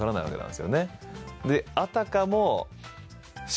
あたかも。